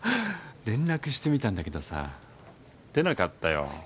連絡してみたんだけどさ出なかったよ。